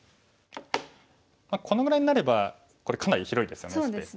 このぐらいになればこれかなり広いですよね。